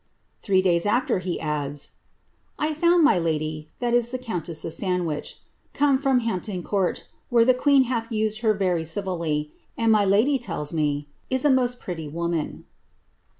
'' Three days afteff he adds, ^* I found my lady (the countess of Sandwich) come fioa Hampton Court, where the (jucen hath used her very civilly, and, my lady tells me, ^ is a most pretty woman.'